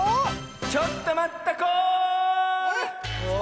ちょっとまったコール！